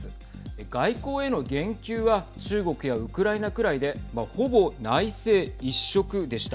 外交への言及は中国やウクライナくらいでほぼ内政一色でした。